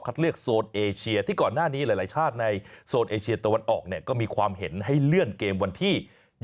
เลือกโซนเอเชียที่ก่อนหน้านี้หลายชาติในโซนเอเชียตะวันออกเนี่ยก็มีความเห็นให้เลื่อนเกมวันที่๒